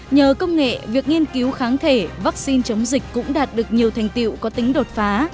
nhờ công nghệ việc nghiên cứu kháng thể vaccine chống dịch cũng đạt được nhiều thành tiệu có tính đột phá